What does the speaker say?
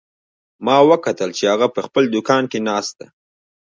ما وکتل چې هغه په خپل دوکان کې ناست ده